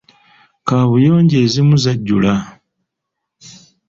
Kaabuyonjo ezimu zajjula.